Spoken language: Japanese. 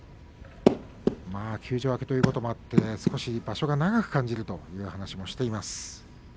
休場明けということもあって少し場所が長く感じるという話もしています。